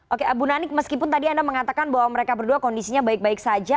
oke bu nanik meskipun tadi anda mengatakan bahwa mereka berdua kondisinya baik baik saja